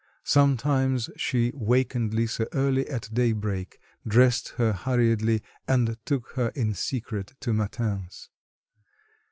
Sometimes she wakened Lisa early at daybreak, dressed her hurriedly, and took her in secret to matins.